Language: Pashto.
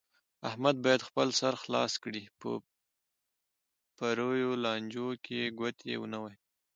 احمد باید خپل سر خلاص کړي، په پریو لانجو کې ګوتې و نه وهي.